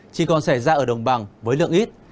chỉ còn xảy ra ở đồng bằng với lượng ít